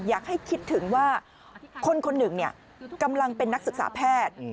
อยากให้คิดถึงว่าคนหนึ่งเนี่ยจะเงินเป็นนักศึกษาแพทย์